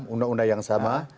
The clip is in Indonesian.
undang undang yang sama